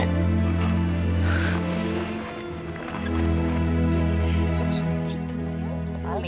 tidak ada angkut nih gimana ini